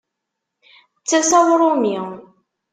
D tasa uṛumi!